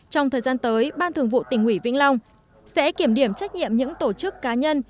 trong thời gian tới ban thường vụ tỉnh ủy vĩnh long sẽ kiểm điểm trách nhiệm những tổ chức cá nhân